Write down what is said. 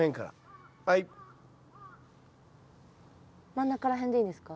真ん中らへんでいいんですか？